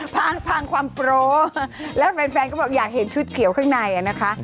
ผ่านทางความโปรแล้วแฟนก็บอกอยากเห็นชุดเขียวข้างในนะคะ